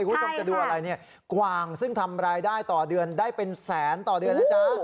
คุณผู้ชมจะดูอะไรเนี่ยกวางซึ่งทำรายได้ต่อเดือนได้เป็นแสนต่อเดือนนะจ๊ะ